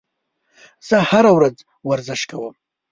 زه هره ورځ ورزش کوم.